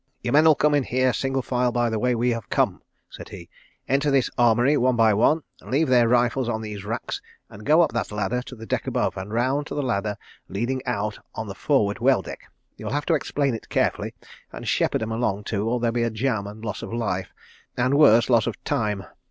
"Your men'll come here in single file, by the way we have come," said he, "enter this armoury one by one, leave their rifles on these racks, and go up that ladder to the deck above, and round to the ladder leading out on the forward well deck. You'll have to explain it carefully, and shepherd 'm along too, or there'll be a jam and loss of life and—worse—loss of time.